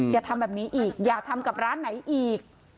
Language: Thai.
อย่าทำแบบนี้อีกอย่าทำกับร้านไหนอีก